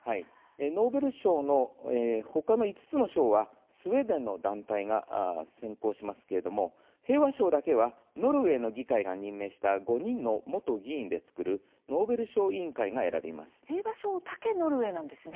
ノーベル賞のほかの５つの賞はスウェーデンの団体が選考しますけれども平和賞だけはノルウェーの議会が任命した５人の元議員で作る平和賞だけノルウェーなんですね。